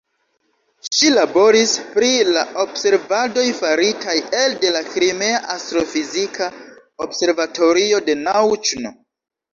Ŝi laboris pri la observadoj faritaj elde la Krimea astrofizika observatorio de Nauĉno.